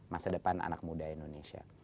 masa depan anak muda indonesia